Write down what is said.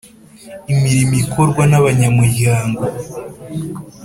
imirimo ikorwa n abanyamuryango